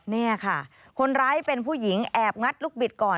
นี่ค่ะคนร้ายเป็นผู้หญิงแอบงัดลูกบิดก่อน